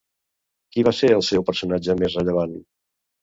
Quin va ser el seu personatge més rellevant?